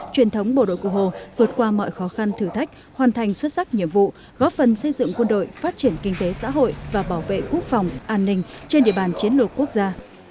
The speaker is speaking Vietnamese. truyền thống bộ đội cụ hồ vượt qua mọi khó khăn thử thách hoàn thành xuất sắc nhiệm vụ góp phần xây dựng quân đội phát triển kinh tế xã hội và bảo vệ quốc phòng an ninh trên địa bàn chiến lược quốc gia